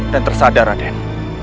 dan tersadar raden